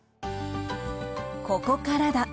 「ここからだ」。